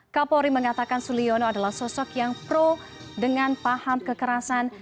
kapolri mengatakan suliono adalah sosok yang pro dengan paham kekerasan